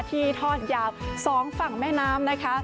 ที่ทอดยาว๒ฝั่งแม่น้ำนะคะ